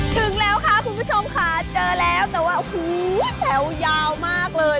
ถึงแล้วค่ะคุณผู้ชมค่ะเจอแล้วแต่ว่าโอ้โหแถวยาวมากเลย